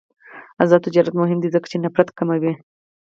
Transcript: آزاد تجارت مهم دی ځکه چې نفرت کموي.